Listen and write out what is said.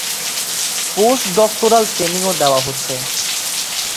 Post doctoral ট্রেনিংও দেওয়া হচ্ছে।